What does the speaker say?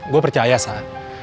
gue percaya sak